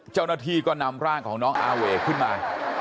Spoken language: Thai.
เจ้าหน้าที่ก็นำร่างของน้องอาเวกขึ้นมา